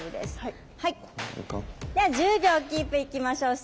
では１０秒キープいきましょう。